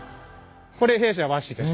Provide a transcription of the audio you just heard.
これ弊社の和紙です。